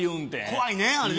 怖いねあれね。